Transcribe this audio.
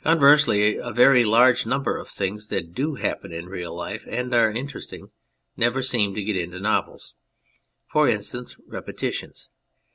Conversely, a very large number of things that do happen in real life and are interesting never seem to get into novels. For instance, repetitions.